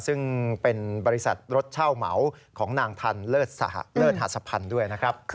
ซึ่งเป็นบริษัทรถเช่าเหมาของนางทันเลิศหัศพันธ์ด้วยนะครับ